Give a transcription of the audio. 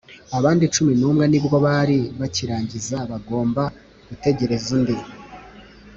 Abandi cumi n umwe nibwo bari bakirangiza bagomba gutegereza undi